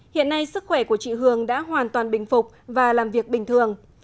hiện nay sức khỏe của chị hường đã hoàn toàn bình phục và làm việc bình thường